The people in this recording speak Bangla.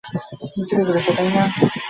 তার চেয়ে বরং মনোযোগ দাও তুমি আসলে কে না!